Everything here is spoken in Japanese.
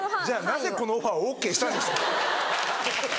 なぜこのオファーをＯＫした？